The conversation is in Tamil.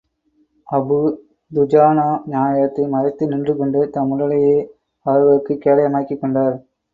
அபூ துஜானா நாயகத்தை மறைத்து நின்று கொண்டு, தம் உடலையே அவர்களுக்குக் கேடயமாக்கிக் கொண்டார்.